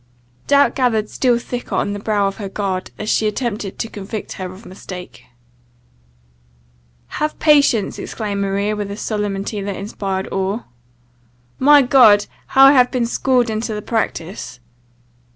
Doubt gathered still thicker on the brow of her guard, as she attempted to convict her of mistake. "Have patience!" exclaimed Maria, with a solemnity that inspired awe. "My God! how have I been schooled into the practice!"